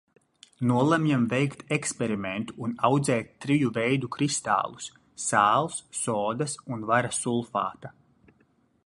Nolemjam veikt eksperimentu un audzēt triju veidu kristālus - sāls, sodas un vara sulfāta.